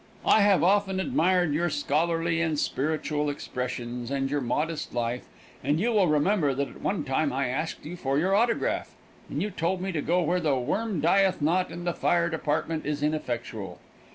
I have often admired your scholarly and spiritual expressions, and your modest life, and you will remember that at one time I asked you for your autograph, and you told me to go where the worm dieth not and the fire department is ineffectual.